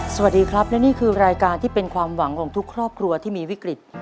สวัสดีครับและนี่คือรายการที่เป็นความหวังของทุกครอบครัวที่มีวิกฤต